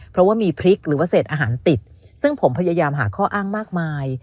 เพราะว่ามีพริกหรือว่าเศษอาหารติดซึ่งผมพยายามหาข้ออ้างมากมาย